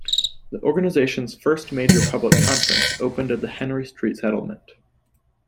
The organization's first major public conference opened at the Henry Street Settlement.